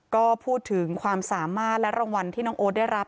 ก็พูดถึงความสามารถและรางวัลที่น้องโอ๊ตได้รับ